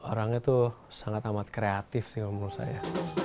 jadi orangnya itu sangat sangat kreatif sih menurut saya